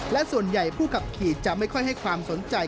และส่วนใหญ่ผู้ขับขี่จะไม่ค่อยให้ความสนใจ